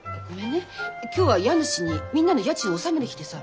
今日は家主にみんなの家賃納める日でさ。